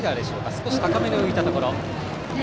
少し高めに浮いたところ。